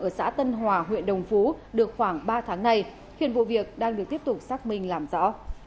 ở xã tân hòa huyện đồng phú được khoảng ba tháng nay hiện vụ việc đang được tiếp tục xác minh làm rõ